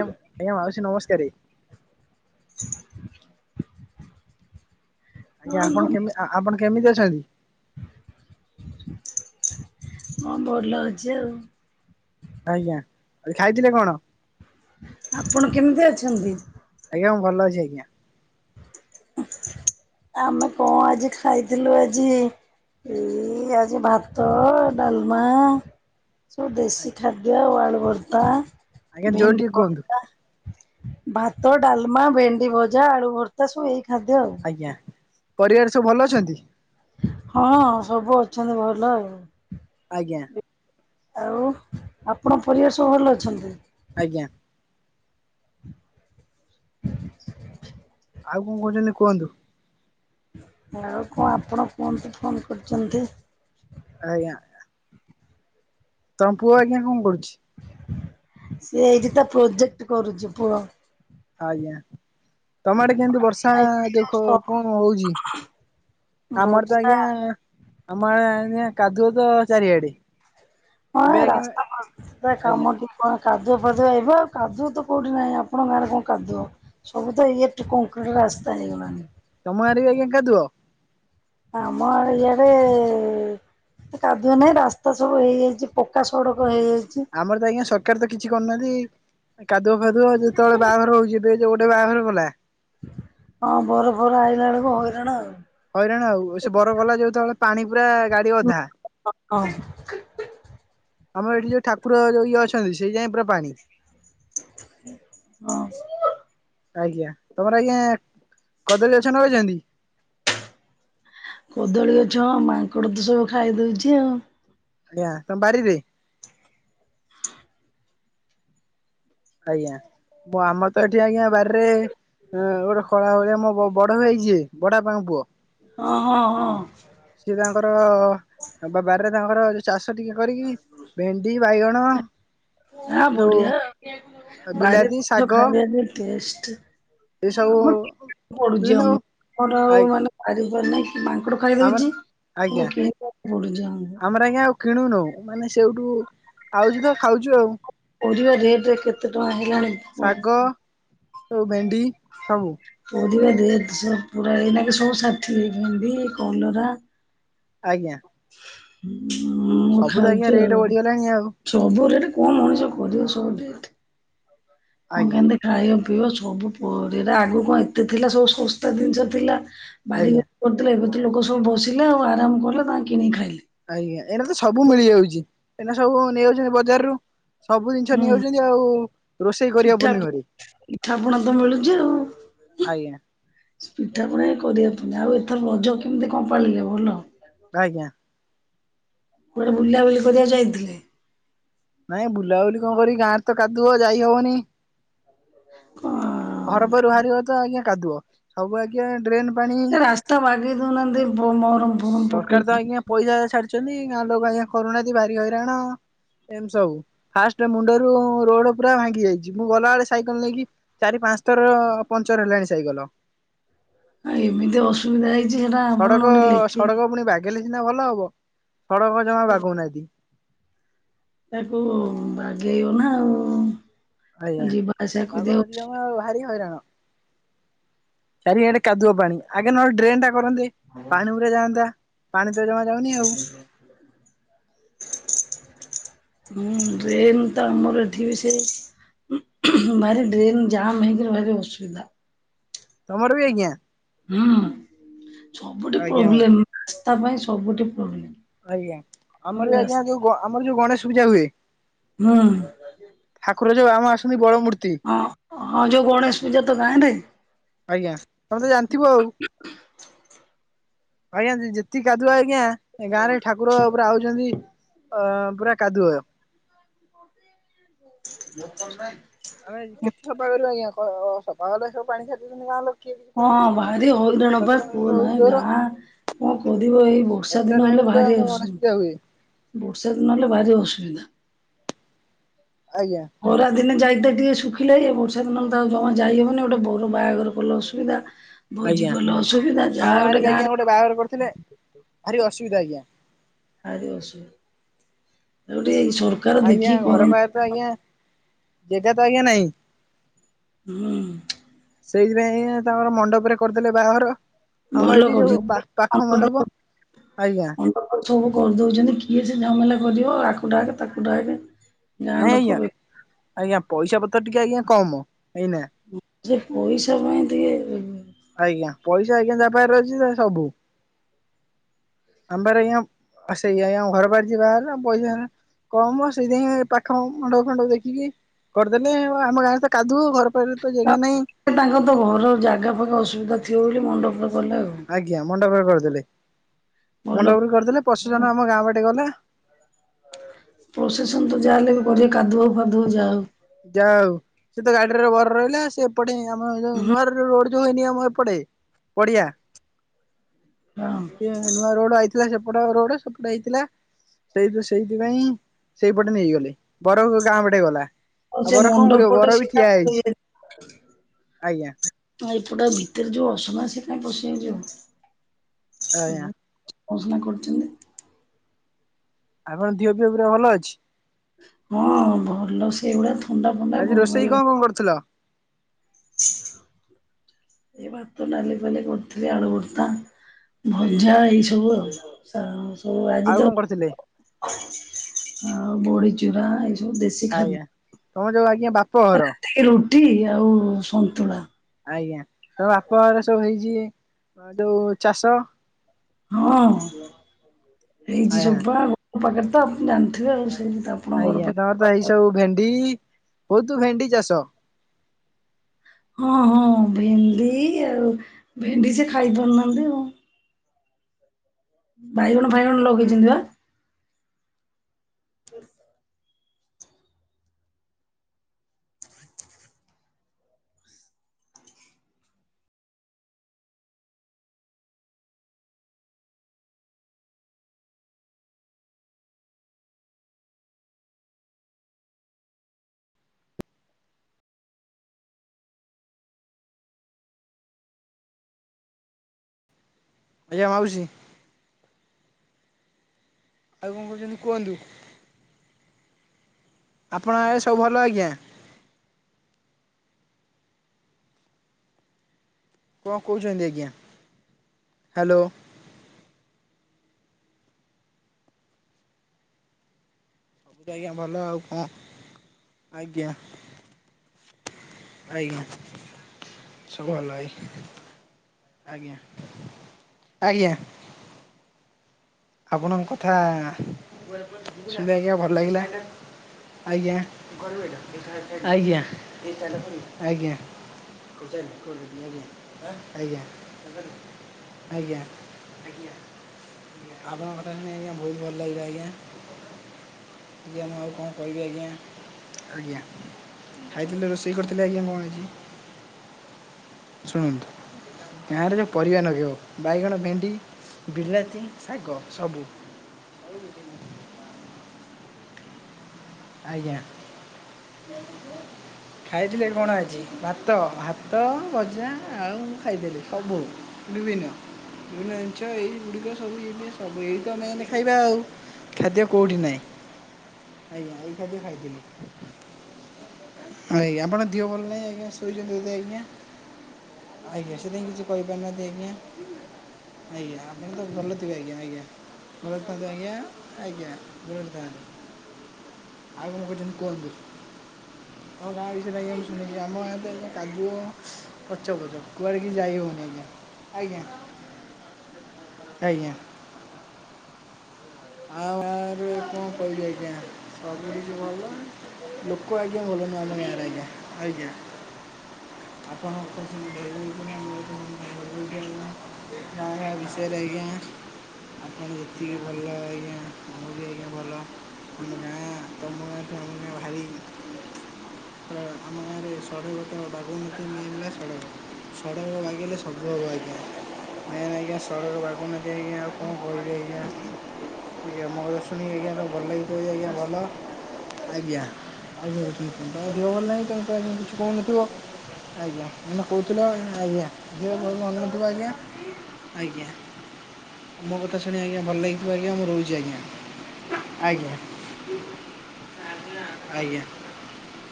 Hello, ଏ ମାଉସୀ ନମସ୍କାରେ। [unintelligible] ଆଜ୍ଞା, ହଁ ଆପଣ କେମି ଆପଣ କେମିତି ଅଛନ୍ତି? ମୁଁ ଭଲ ଅଛି ଆଉ। ଆଜ୍ଞା, ଆ ଖାଇଥିଲେ କଣ? ଆପଣ କେମିତି ଅଛନ୍ତି? ଆଜ୍ଞା, ମୁଁ ଭଲ ଅଛି ଆଜ୍ଞା। ଆମେ କଣ ଆଜି, ଖାଇଥିଲୁ ଆଜି? ଏ ଆଜି ଭାତ ଡାଲମା ସବୁ ଦେଶୀ ଖାଦ୍ୟ, ଆଉ ଆଳୁ ଭର୍ତ୍ତା। ଆଜ୍ଞା ଯୋରେ ଭେଣ୍ଡି ଟିକେ କୁହନ୍ତୁ? ଭର୍ତ୍ତା, ଭାତ, ଡାଲମା, ଭେଣ୍ଡି ଭଜା, ଆଳୁ ଭର୍ତ୍ତା, ସବୁ ଏଇ ଖାଦ୍ୟ ଆଉ। ଜ୍ଞା, ପରିବାର ସବୁ ଭଲ ଅଛନ୍ତି? ହଁ, ସବୁ ଅଛନ୍ତି ଭଲ ଆଉ। ଆଜ୍ଞା। ଆଉ, ଆପଣ ପରିବାର ସବୁ ଭଲ ଅଛନ୍ତି? ଆଜ୍ଞା। ଆଉ କଣ କହୁଛନି କୁହନ୍ତୁ? ଆ୍ୟାଉ କଣ ଆପଣ କୁହନ୍ତୁ, ଫୋନ୍ କରିଚନ୍ତି? ଆଜ୍ଞା। ତମ ପୁଅ ଆଜ୍ଞା, କଣ କରୁଛି? ସେ ଏଇଠି ତ, ପ୍ରୋଜେକ୍ଟ କରୁଛି ପୁଅ। ଆଜ୍ଞା, ତମେ ଆଡେ କେଁତି ବର୍ଷା ଦେଖ କଣ ହଉଛି? ଆମର ତ ବର୍ଷା ଆଜ୍ଞା, ଆମ ଆଜ୍ଞା କାଦୁଅ ତ ଚାରିଆଡେ। ହଁ, ଏବେ ଆଜ୍ଞା ରାସ୍ତା ମାସ୍ତା ଆଜ୍ଞା କାମ ଟିକି କଣ କାଦୁଅ ଫାଦୁଆ ଏବେ କାଦୁଅ ତ କଉଠି ନାହିଁ, ଆପଣ ଗାଁରେ କଣ କାଦୁଅ? ସବୁ ତ ୟେକ୍ଟ କଂକ୍ରିଟ୍ ରାସ୍ତା ହେଇଗଲାଣି। ତମ ଗାଁରେ ଆଜ୍ଞା କାଦୁଅ? ଆମର ଇଆଡେ-ଏ କାଦୁଅ ନାହିଁ, ରାସ୍ତା ସବୁ ହେଇଯାଇଚି। ପକ୍କା ସଡ଼କ ଆଜ୍ଞା ହେଇଯାଇଚି। ଆମର ଆଜ୍ଞା, ସଟ୍ କାର ତ କିଛି କରିୁନାହାଁନ୍ତି, କାଦୁଅ ଫାଦୁଅ ଯେତେବେଳେ ବାହାଘର ହଉଛିି, ଡେଜ୍ ଗୋଟେ ବାହାଘର ଗଲା।। ହଁ, ବର ଫର ଆଇଲା ଅଳକୁ ହଇରାଣ ଆଉ। ହଇରାଣ ଆଉ। ସେ ବର ଗଲା ଯୋତବେଳେ ପାଣି ପୁରା ଗାଡି ଅଧା। ହ୍ ଅହଁ। ଆମର ଏଠି ଯୋଉ ଠାକୁର ଯୋ ଇଏ ଅଛନ୍ତି, ସେଇ ଯାଏଁ ପୁରା ପାଣି। ଅଁ [unintelligible] ଆଜ୍ଞା। ତମର ଆଜ୍ଞା କଦଳୀ ଅଛ ନଗେଇଛନ୍ତି? କଦଳୀ ଗଛ ମାଙ୍କଡ ତ ସବୁ ଖାଇଦଉଛି, ଆଉ। ଆଜ୍ଞା, ତମ ବାରିରେ? ଆଜ୍ଞା, ମୁଁ ଆମର ତ ଏଠି ଆଜ୍ଞା ବାର୍ ରେ ହଁ, ଗୋଟେ ଖଳା ଭଳିଆ, ମ ବ-ବଡ ଭାଇ ଯିଏ, ବଡ଼ ଆପାଙ୍କ ପୁଅ। ହଁ, ହଁ, ହଁ। ସିଏ ତାଙ୍କର-ଅ ବ-ବାରିରେ ତାଙ୍କର ଯୋଉ ଚାଷ ଟିକେ କରିକି, ଭେଣ୍ଡି ବାଇଗଣ, ହଁ, ସବୁ ବଢିଆ ଆଉ! ବାରିର ବିଲାତି ଯଉ ଶାଗ ଖାଇବା ଯୋଉ ଟେଷ୍ଟ। ଏସବୁ ଆମ [inaudible] ପଡୁଛି [inaudible] ବିଭିନ୍ନ ଆମର ଆ ଆଉ ମାନେ [unintelligible] ନାହିଁ କି ମାଙ୍କଡ ଆମର ଖାଇଦଉଛି। ଆଜ୍ଞା କିଣବାକୁ ପଡୁଛି ଆମକୁ। ଆମର ଆଜ୍ଞା, ଆଉ କିଣୁନୁ ମାନେ, ସେଇଠୁ ଆଉଛି ତ ଖାଉଛୁ ଆଉ। ପରିବା ରେଟ୍ ରେ କେତ ଟଙ୍କା ହେଲାଣି। କଁ ଶାଗ ସବୁ ଭେଣ୍ଡି, ସବୁ। ପରିବା ଦିହାତି ସବୁ ପୁରା ଏଇନାକି ସବୁ ଷାଠିଏ। ଭେଣ୍ଡି, କଲରା ଆଜ୍ଞା। ହୁଁ-ଉଁ, ମୁଁ ସବୁ ତ ଆଜ୍ଞା ଖାଉଛି ରେଟ୍ ଆଉ। ବଢିଗଲାଣି ଆଉ ସବୁ ରେଟ୍, କଣ ମଣିଷ କରିବ? ସବୁ ରେଟ୍। କଣ ଆଜ୍ଞା କେମତି ଖାଇବା ପିଇବ? ସବୁ ପରିରା ଆଗକୁ କଣ ଏତେ ଥିଲା? ସବୁ ଶସ୍ତା ଦିନଷ ଥିଲା। ବାରି ଆଜ୍ଞା କରିଥିଲେ ଏବେ ତ ଲୋକ ସବୁ ବସିଲେ ଆଉ ଆରାମ କଲେ ତାଙ୍କ କିଣିକି ଖାଇଲେ। ଆଜ୍ଞା ଏଇଟ ତ ସବୁ ମିଳିଯାଉଛି ଏଇଟ ସବୁ ନେଇଯାଉଛନ୍ତି ବଜାର ରୁ।। ସବୁ ଜିନିଷ ହୁଁ। ନେଇଯାଉଛନ୍ତି ଆଉ, ରୋଷେଇ କରିବ ପୁନି ଘରେ।। ଇଠା ପୁଣ ତ ମିଳୁଛି ଆଉ।। ଆଜ୍ଞା। ପିଠା ପଣା କରିବା ପା [unintelligible] ଆଉ ଏଥର ରଜ କେମିତି କଣ ପାଳିଲେ ଭଲ। ଆଜ୍ଞା। କୁଆଡେ ବୁଲାବୁଲି କରିବାକୁ ଯାଇଥିଲେ? ନାଇଁ ଆଉ ବୁଲାବୁଲି କଣ କରିବି ଗାଁରେ ତ କାଦୁଅ ଯାଇ ହବନି। କଣ ଘରପରୁ ବାହାରିବତ ଆଜ୍ଞା କାଦୁଅ ସବୁବେଳେ ଆଜ୍ଞା ଡ୍ରେନ ପାଣି। [unintelligible] ବାଗେଇଦଉନ ଏମିତି ବ ମହରମ୍ ସରକାର ତ ଆଜ୍ଞା ପଇସା ଛାଡିଛନ୍ତି ଗାଁ ଲୋକ ଆଜ୍ଞା କରୁନାହାନ୍ତି ଭାରି ହଇରାଣ। ଏମତି ସବୁ ଫାଷ୍ଟ ମୁଣ୍ଡରୁ ରୋଡ ପୁରା ଭାଙ୍ଗି ଯାଇଛି ମୁଁ ଗଲାବେଳେ ସାଇକେଲ ନେଇକି।। ଚାରି ପାଞ୍ଚ ଥର ପଞ୍ଚର ହେଲାଣି ସାଇକେଲ। ଆଁ ଏମିତି ଅସୁବିଧା ହେଇଛି ସେଟା ଆପଣ ଗୋଟେ ଲେଖିକି। ଗଲେ [unintelligible] ସିନା ଭଲ ହବ ସଡ଼କ ଜମା ବାଗଉନାହାନ୍ତି। ତାକୁ ବାଗେଇବନା ଆଉ ଯିବା ଆସିବା କରିବାକୁ [unintelligible] ହଁ ଆଉ ଭାରି ହଇରାଣ ଚାରି ଆଡେ କାଦୁଅ ପାଣି ଆଗେ ନହେଲେ ଡ୍ରେନ୍ ଟା କରନ୍ତେ। ପାଣି ଗୁରା ଯାନ୍ତା ପାଣି ତ ଜମା ଯାଉନି ଆଉ [inaudible] ହୁଁ ଡ୍ରେନ୍ ତ ଆମର ଏଠି ବି ସେୟା। [unintelligible] ଭାରି ଡ୍ରେନ ଯାମ୍ ହେଇକି ରହିଲେ ଭାରି ଅସୁବିଧା।। ତମର ବି ଆଜ୍ଞା? ହୁଁ ସବୁଠି ଆଜ୍ଞା ପ୍ରୋବ୍ଲେମ୍ [unintelligible] ପାଇଁ ସବୁଠି ପ୍ରୋବ୍ଲେମ୍। ଆଜ୍ଞା ଆମର ବି ଆଜ୍ଞା ଯୋଉ ଗ ଆମର ଯୋଉ ଗଣେଶ ପୂଜା ହୁଏ। ହୁଁ ଠାକୁର ଯୋଉ ଆମ ଆସୁଛନ୍ତି ବଡ ମୂର୍ ଅଁ, ହଁ ଯୋଉ ଗଣେଶ ପୂଜା ତ ଗାଆଁରେ? ଆଜ୍ଞା, ତମେ ତ ଜାଣିଥିବ ଆଉ। ଆଜ୍ଞା ଯେ - ଯେତିକି କାଦୁଆ ଆଜ୍ଞା ଗାଁ ରେ ଠାକୁର ପୁରା ଆଉଛନ୍ତି। ଅ ପୁରା କାଦୁଅ। [inaudible] ଆମେ କେତେ ଥଫା କରିବା ଆଜ୍ଞା, କଣ ସଫା କଲେ ସବୁ ପାଣି ଛାଡିଦଉଚନ୍ତି ଗାଁ ଲୋକ। କିଏ କିଛି ହଁ କହୁନାହାନ୍ତି ଭାରି ହଇରାଣ ବର୍ଷା ପା ତ ଆମର କୁହନା ହେ ହଉଛି ଜୋର ଗାଁ କଣ କରିବ ଏଇ ବ ର୍ଷା ବର୍ଷା ଦିନ ଟାଇମ ହେଲେ ରେ ତ ଭାରି ଆମର ଗଣେଶ ଅସୁବି, ପୂଜା ହୁଏ। ବର୍ଷା ଦିନ ହେଲେ ଭାରି ଅସୁବିଧା। ଆଜ୍ଞା। ଖରାଦିନେ ଯାଇତେ ଟିକେ ଶୁଖିଲାଣୀ ଏଇ ବର୍ଷା ଦିନ ହେଲେ ତ ଆଉ ଜମା ଯାଇହବନି ଗୋଟେ ବର ବାହାଘର କଲେ ଅସୁବିଧା। ଭୋଜି ଆଜ୍ଞା କଲେ ଅସୁବିଧା ଆମ ଯାହା ଗୋଟେ ବି ଆଜ୍ଞା ଗାଁରେ ଗୋଟେ ବାହାଘର କରିଥିଲେ ଭାରି ଅସୁବିଧା ଆଜ୍ଞା। ଭାରି ଅସୁବିଧା, ଯୋଉ ଟିକେ ଏଇ ସବୁ ଆଜ୍ଞା ଘର ପାଖେରେ ତ ଆଜ୍ଞା ଜେଗା ତ ଆଜ୍ଞା ନାଇଁ। ହୁଁ ସେଇଥିପାଇଁ ତାଙ୍କର ମଣ୍ଡପରେ କରିଦେଲେ ବାହାଘର। ଆମ ଭଲ ଏଇଠି ଯୋଉ କରିଛନ୍ତି, [inaudible] ପାଖ ମଣ୍ଡପ ଆଜ୍ଞା ପକ୍ ପକ୍ ସବୁ କରିଦଉଛନ୍ତି କିଏ ସେ ଝାମେଲା କରିବ ଆକୁ ଡାକେ ତାକୁ ଡାକେ। ଗାଁ ନାଇଁ ଲୋକ ଆଜ୍ଞା ବେ ଆଜ୍ଞା ପଇସା ପତ୍ର ଟିକେ ଆଜ୍ଞା କମ। ଏଇନା ଯେ ପଇସା ପାଇଁ ଟିକେ ଆଜ୍ଞା ପଇସା ଆଜ୍ଞା ଯାହା ପାଖରେ ଅଛି ସେ ସବୁ ଆମ ପାଖରେ ଆଜ୍ଞା, ଆ ସେଇଆ ଆଜ୍ଞା ଘର ପାଖରେ ଯିଏ ବାହା ହେଲା ପଇସା ନାହିଁ କମ ସେଇଥିପାଇଁ ପାଖ ମଣ୍ଡପ ଫଣ୍ଡପ ଦେଖିକି କରିଦେଲେ ଆଉ ଆମ ଗାଁରେ ତ କାଦୁଅ, ଘର ପାଖରେ ତ ତା ଜେଗା ନାହିଁ। ତାଙ୍କର ତ ଘର ଜାଗା ଫାଗା ଅସୁବିଧା ଥିବ ବୋଲି ମଣ୍ଡପରେ କଲେ ଆଉ। ଆଜ୍ଞା ମଣ୍ଡପରେ କରିଦେଲେ, ଭଲ ମଣ୍ଡପରେ କରିଦେଲେ ପ୍ରସେସନ ଆମ ଗାଁ ବାଟେ ଗଲା। ପ୍ରୋସେସନ୍ ତ ଯାହା ହେଲେ ବି କରିବେ କାଦୁଅ ଫାଦୁଅ ଯାହା ହଉ। ଯା ହଉ ସେ ତ ଗାଡ଼ି ରେ ବର ରହିଲା ସେ ଏପଟେ ଆମ ଯୋଉ ହଉ ହଁ ନୂଆର ର ରୋଡ଼୍ ଯୋଉ ହେଇନି ଆମ ଏପଟେ ପଡ଼ିଆ। ହଁ। ନୂଆ ରୋଡ଼ ଆଇଥିଲା ସେପଟ ରୋଡ଼ ସେପଟ ହେଇଥିଲା। ସେଇଯୋଉ ସେଇଥିପାଇଁ ସେଇପଟେ ନେଇଗଲେ ବର ଗାଁ ପଟେ ଗଲା। ଆଉ ସେ ବର କଣ କରିବ ମଣ୍ଡପପଟେ ବର ବି ସିଏ ତା ଠିଆ ହେଇଛି ଆଜ୍ଞା [unintelligible] ଏଇପଟା ଭିତରେ ଯୋଉ ଅସନା ସେ କାଇଁ ପସିକି ଆଜ୍ଞା ଯିବ ଉଁ ଅସନା କରୁଛନ୍ତି। ଆଉ କଣ ଦିହ ପିହ ପୁରା ଭଲ ଅଛି? ହଁ ଭଲ ସେଇଭଳିଆ ଥଣ୍ଡା ଫଣ୍ଡା ଆଜି ରୋଷେଇ କଣ [unintelligible] କଣ କରୁଥିଲ? ଏଇ ଭାତ ଡାଲି ଫାଲି କରୁଥିଲି ଆଳୁ ଭରତା ଆଜ୍ଞା ଭଜା ଏଇ ସବୁ ଆଉ। ସା ସବୁ ଆଜି ଆଉ ତ କଣ କରିଥିଲେ ଆଉ ବଡ଼ିଚୁରା ଏ ଆଜ୍ଞା ତମର ଯୋଉ ଆଜ୍ଞା ବାପ ଘର। ଏ ରୁଟି ଆଉ ସନ୍ତୁଳା। ଆଜ୍ଞା ତମ ବାପଘରେ ସବୁ ହେଇଚି ଯୋଉ ଚାଷ। ହଁ ହେଇଛି ଆଜ୍ଞା ସବୁପା [unintelligible] ପାଖରେ ତ ଆପ ଜାଣିଥିବେ ଆଉ। ଯେମିତି ଆପଣଙ୍କ ଆଜ୍ଞା ଘର ପା ତମର ତ ଏଇ ସବୁ ଭେଣ୍ଡି, ବହୁତୁ ଭେଣ୍ଡି ଚାଷ। ହଁ ହଁ ଭେଣ୍ଡି ଆଉ ଭେଣ୍ଡି ସେ ଖାଇ ପାରୁନାହାନ୍ତି ଆଉ। ବାଇଗଣ ଫାଇଗଣ ଲଗେଇଛନ୍ତି ବା? [inaudible] ଆଜ୍ଞା ମାଉସୀ। ଆଉ କଣ କହୁଛନ୍ତି କୁହନ୍ତୁ? ଆପଣ ଆରେ ସବୁ ଭଲ ଆଜ୍ଞା? କଣ କହୁଛନ୍ତି ଆଜ୍ଞା ହାଲୋ। ସବୁତ ଆଜ୍ଞା ଭଲ ଆଉ କଣ ଆଜ୍ଞା। ଆଜ୍ଞା। ସବୁ ଭଲ ଭାଇ ଆଜ୍ଞା ଆଜ୍ଞା। ଆପଣଙ୍କ କଥା ଶୁଣିଲି ଆଜ୍ଞା ଭଲ ଲାଗିଲା। ଆଜ୍ଞା ଆଜ୍ଞା ଆଜ୍ଞା। ଆଜ୍ଞା। ଆଆଜ୍ଞା। ଆପଣଙ୍କ କଥା ଶୁଣିି ଆଜ୍ଞା ବହୁତ ଭଲ ଲାଗିଲା ଆଜ୍ଞା। ଆଜ୍ଞା ମୁଁ ଆଉ କଣ କହିବି ଆଜ୍ଞା ଆଜ୍ଞା। ଖାଇଥିଲେ ରୋଷେଇ କରିଥିଲେ ଆଜ୍ଞା କଣ ଆଜି ଶୁଣନ୍ତୁ? ଗାଁରେ ଯଉ ପରିବା ନଗେଇବ ବାଇଗଣ, ଭେଣ୍ଡି ବିଲାତି ଶାଗ ସବୁ। ଆଜ୍ଞା। ହ [inaudible] ଖାଇଥିଲେ କଣ ଆଜି ଭାତ- ଭାତ, ଭଜା ଆଉ ମୁଁ ଖାଇଥିଲି ସବୁ ବିଭିନ୍ନ- ବିଭିନ୍ନ ଜିନିଷ ଏଇଗୁଡିକ ସବୁ- ସବୁ ଏଇ ତ ମେନ୍ ଖାଇବା ଆଉ। ଖାଦ୍ୟ କୋଉଠି ନାହିଁ ଆଜ୍ଞା ଏଇ ଖାଦ୍ୟ ଖାଇଥିଲି। ଆଜ୍ଞା ଆପଣଙ୍କ ଦିହ ଭଲ ନାଇଁ ଆଜ୍ଞା ଶୋଇଚନ୍ତି ବୋଧେ ଆଜ୍ଞା। ଆଜ୍ଞା ସେଥିପାଇଁ କିଛି କହିପାରୁନାହାନ୍ତି ଆଜ୍ଞା। ଆଜ୍ଞା ଆପଣ ତ ଭଲ ଥିବେ ଆଜ୍ଞା -ଆଜ୍ଞା। ଭଲ ଅଛନ୍ତି ଆଜ୍ଞା -ଆଜ୍ଞା ଭଲରେ ଥାଆନ୍ତୁ। ଆଉ କଣ କହୁଚନ୍ତି କୁହନ୍ତୁ? ତମ ଗାଁ ବିଷୟରେ ଆଜ୍ଞା ଶୁଣିଲି ଆମ ଗାଁରେ ତ ଏବେ କାଦୁଅ ପଚ ପଚ କୁଆଡେ କି ଯାଇ ହଉନି ଆଜ୍ଞା- ଆଜ୍ଞା- ଆଜ୍ଞା। ଆଉ ଗାଁରେ କଣ କହିବି ଆଜ୍ଞା ସବୁ କିଛି ଭଲ। ଲୋକ ଆଜ୍ଞା ଭଲ ନୁହଁ ଆମ ଗାଁରେ ଆଜ୍ଞା- ଆଜ୍ଞା। ହ [inaudible] ଆପଣଙ୍କ [unintelligible] ବିଷୟରେ ଆଜ୍ଞା। ହ [inaudible] ଆପଣ ଯେତିକି ଭଲ ଆଜ୍ଞା ମୁଁ ବି ଆଜ୍ଞା ଭଲ ଆମ ଗାଁ ତମ ଗାଁ ଠୁ ଆମ ଗାଁ ଭାରି ଆମ ଗାଁରେ ଷଡ଼ଗତ ବାଘୁମତି ମି ହେଲା ଷଡ଼ଗ। ସଡକ ବାଗେଇଲେ ସବୁ ହବ ଆଜ୍ଞା। ମେନେ ଆଜ୍ଞା ସଡକ ବାଗଉ ନାହାଁନ୍ତି ଆଜ୍ଞା ଆଉ କଣ କହିବି ଆଜ୍ଞା। ଆଜ୍ଞା ମୋ କଥା ଶୁଣିକି ଆଜ୍ଞା ତ ଭଲ ଲାଗିଥିବ ଯଦି ଆଜ୍ଞା ଭଲ ଆଜ୍ଞା। ଆଜ୍ଞା ତାଙ୍କ ଦେହ ଭଲ ନାହିଁ ତେଣୁ କାହାକୁ କିଛି କହୁନଥିବ। ଆଜ୍ଞା ଏଇନା କହୁଥିଲ [unintelligible] ଆଜ୍ଞା। ଆଜ୍ଞା ମୋ କଥା ଶୁଣି ଆଜ୍ଞା ଭଲ ଲାଗିଥିବ ଆ ଆଜ୍ଞା ମୁଁ ରହୁଚି ଆଜ୍ଞା -ଆଜ୍ଞା- ଆଜ୍ଞା।